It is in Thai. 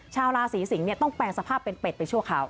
ชาวราศีสิงศ์ต้องแปลงสภาพเป็นเป็ดไปชั่วคราว